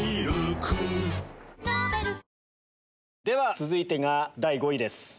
では続いてが第５位です。